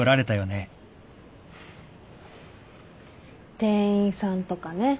店員さんとかね。